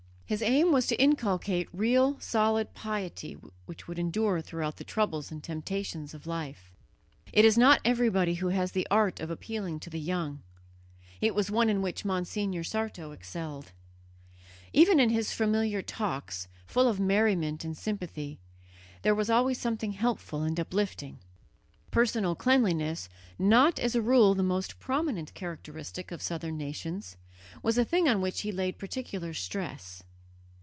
His aim was to inculcate real solid piety which would endure throughout the troubles and temptations of life. It is not everybody who has the art of appealing to the young: it was one in which Monsignor Sarto excelled. Even in his familiar talks, full of merriment and sympathy, there was always something helpful and uplifting. Personal cleanliness, not as a rule the most prominent characteristic of southern nations, was a thing on which he laid particular stress.